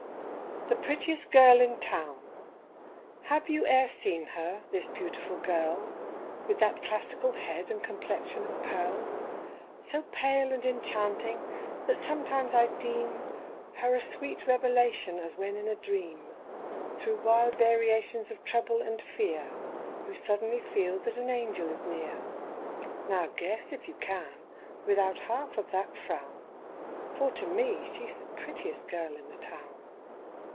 The Prettiest Girl in Town. Have you e'er seen her, this beautiful girl With that classical head and complexion of pearl? So pale and enchanting that sometimes I deem Her a sweet revelation as when in a dream, Through wild variations of trouble and fear, You suddenly feel that an angel is near. Now guess, if you can, without half of that frown, For to me she's the prettiest girl in the town.